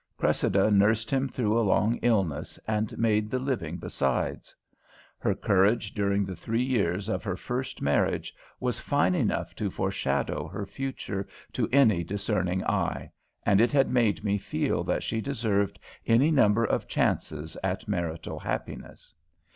Cressida nursed him through a long illness and made the living besides. Her courage during the three years of her first marriage was fine enough to foreshadow her future to any discerning eye, and it had made me feel that she deserved any number of chances at marital happiness.